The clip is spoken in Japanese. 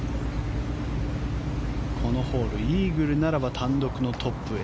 このホールイーグルならば単独のトップへ。